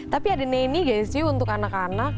tapi ada nani gak sih untuk anak anak